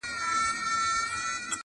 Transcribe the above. سخت حالت سره مخ ده,